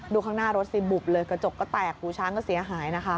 ข้างหน้ารถสิบุบเลยกระจกก็แตกหูช้างก็เสียหายนะคะ